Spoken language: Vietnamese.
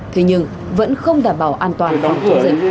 thế nhưng vẫn không đảm bảo an toàn phòng dịch